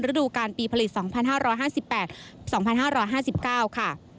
ดูการปีผลิต๒๕๕๘๒๕๕๙ค่ะ